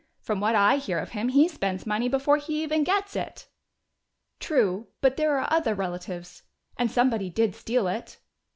From what I hear of him, he spends money before he even gets it." "True. But there are other relatives. And somebody did steal it!"